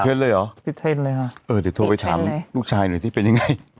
เลยเหรอติดเทรนด์เลยค่ะเออเดี๋ยวโทรไปถามลูกชายหน่อยสิเป็นยังไง